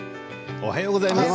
おはようございます。